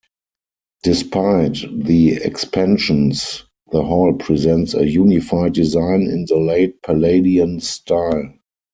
Despite the expansions, the hall presents a unified design in the late Palladian style.